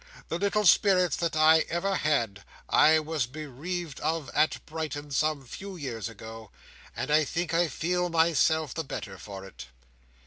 The little spirits that I ever had, I was bereaved of at Brighton some few years ago, and I think I feel myself the better for it."